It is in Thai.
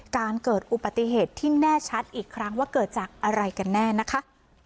การเกิดอุบัติเหตุที่แน่ชัดอีกครั้งว่าเกิดจากอะไรกันแน่นะคะ